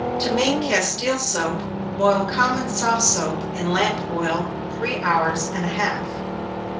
To make Castile soap, boil common soft soap in lamp oil three hours and a half.